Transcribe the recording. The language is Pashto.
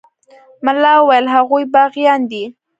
ملا وويل هغوى باغيان دي.